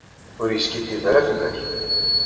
Ur yeskiddib ara fell-ak.